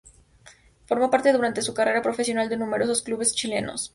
Formó parte durante su carrera profesional de numerosos clubes chilenos.